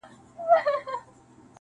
بیا به اورېږي پر غزلونو -